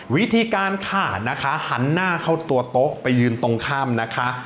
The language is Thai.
วิธีการค่ะนะคะหันหน้าเข้าตัวโต๊ะไปยืนตรงข้ามนะคะ